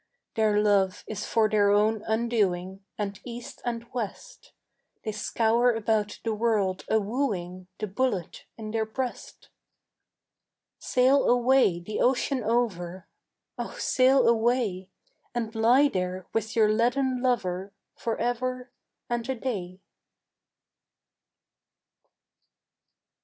"Their love is for their own undoing. And east and west They scour about the world a wooing The bullet in their breast. "Sail away the ocean over, Oh sail away, And lie there with your leaden lover For ever and a day."